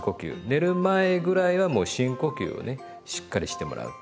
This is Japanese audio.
寝る前ぐらいはもう深呼吸をねしっかりしてもらう。